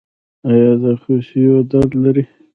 ایا د خصیو درد لرئ؟